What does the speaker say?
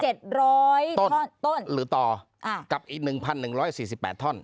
ร้อยท่อนต้นหรือต่ออ่ากับอีกหนึ่งพันหนึ่งร้อยสี่สิบแปดท่อน